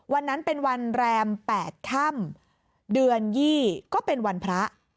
วันนั้นเป็นวันแรม๘ค่ำเดือน๒ก็เป็นวันพระ